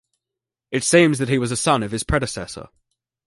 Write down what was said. It seems that he was a son of his predecessor.